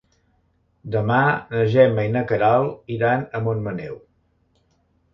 Demà na Gemma i na Queralt iran a Montmaneu.